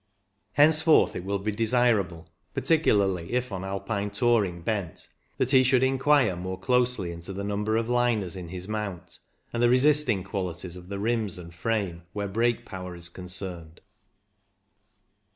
Henceforth it will be desirable, particularly if on Alpine touring bent, that he should inquire more closely into the number of liners in his mount and the resisting qualities of the rims and frame where brake power is concerned.